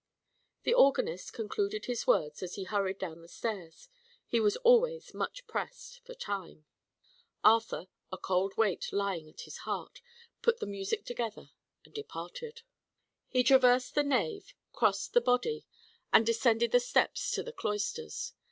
The organist concluded his words as he hurried down the stairs he was always much pressed for time. Arthur, a cold weight lying at his heart, put the music together, and departed. He traversed the nave, crossed the body, and descended the steps to the cloisters.